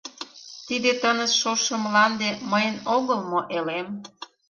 Тиде тыныс шошо мланде Мыйын огыл мо элем!